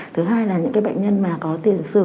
thứ hai là những cái bệnh nhân mà có tiền sử